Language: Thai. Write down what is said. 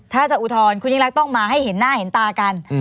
ถ้าจะอุทธรณ์คุณยิ่งรักต้องมาให้เห็นหน้าเห็นตากัน